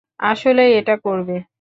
আসলেই এটা করবে?